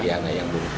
iya anak yang keempat